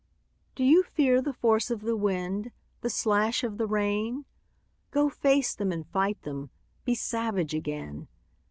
DO you fear the force of the wind, The slash of the rain? Go face them and fight them, Be savage again.